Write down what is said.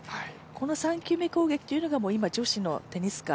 この３球目攻撃というのが今女子のテニス界